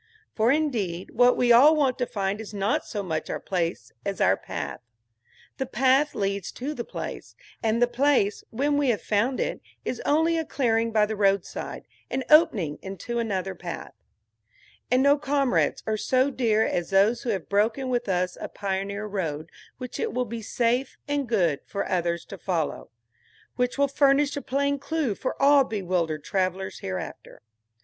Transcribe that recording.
For indeed, what we all want to find is not so much our place as our path. The path leads to the place, and the place, when we have found it, is only a clearing by the roadside, an opening into another path. And no comrades are so dear as those who have broken with us a pioneer road which it will be safe and good for others to follow; which will furnish a plain clue for all bewildered travelers hereafter.